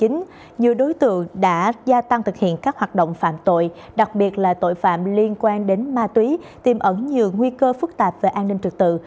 nhiều đối tượng đã gia tăng thực hiện các hoạt động phạm tội đặc biệt là tội phạm liên quan đến ma túy tiêm ẩn nhiều nguy cơ phức tạp về an ninh trực tự